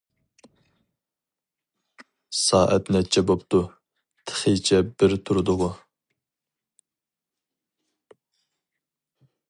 -سائەت نەچچە بوپتۇ؟ -تېخىچە بىر تۇردىغۇ.